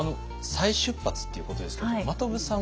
再出発っていうことですけれども真飛さん